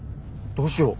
どうしよう。